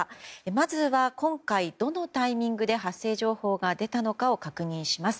まずは、今回、どのタイミングで発生情報が出たのかを確認します。